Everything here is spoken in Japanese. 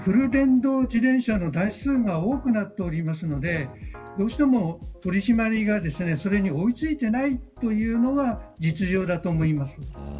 やはりフル電動自転車の台数が多くなっていますのでどうしても取り締まりがそれに追いついていないというのが実情だと思います。